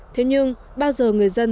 thế nhưng bao giờ người dân